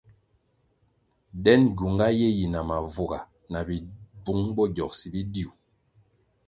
Den gyunga ye yina mavuga, na bibvung bo gyogsi bidiu.